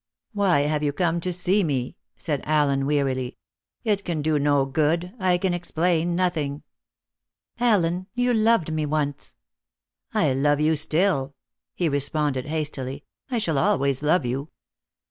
"Why have you come to see me?" said Allen wearily. "It can do no good. I can explain nothing." "Allen, you loved me once." "I love you still," he responded hastily. "I shall always love you."